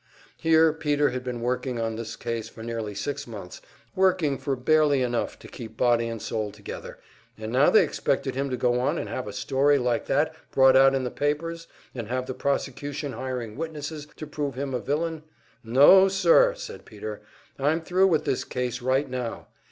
Here Peter had been working on this case for nearly six months, working for barely enough to keep body and soul together, and now they expected him to go on the and have a story like that brought out in the papers, and have the prosecution hiring witnesses to prove him a villain. "No, sir!" said Peter. "I'm thru with this case right now.